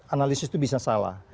analisis itu bisa salah